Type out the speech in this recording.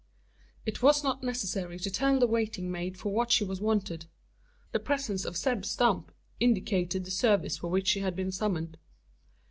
It was not necessary to tell the waiting maid for what she was wanted. The presence of Zeb Stump indicated the service for which she had been summoned.